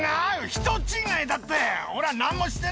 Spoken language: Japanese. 人違いだって！